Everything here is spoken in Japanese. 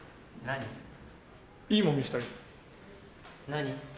何？